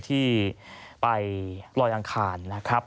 ที่ไปลอยอังคารนะครับ